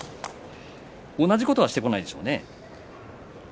同じことはしてこないでしょうね。